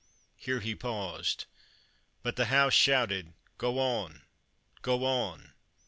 [Here he paused. But the House shouted: Go on! go on!